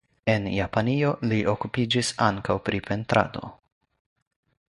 En Japanio li okupiĝis ankaŭ pri pentrado.